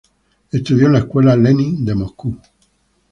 Estudió en la Escuela Lenin de Moscú.